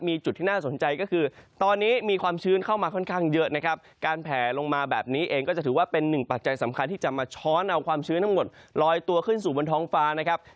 มีจุดที่น่าสนใจก็คือตอนนี้มีความชื้นเข้ามาค่อนข้างเยอะนะครับการแผลลงมาแบบนี้เองก็จะถือว่าเป็นหนึ่งปัจจัยสำคัญที่จะมาช้อนเอาความชื้นทั้งหมดลอยตัวขึ้นสู่บนท้องฟ้านะครับ